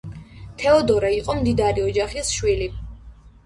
თეოდორე იყო მდიდარი ოჯახის შვილი.